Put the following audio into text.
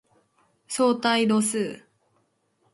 相対度数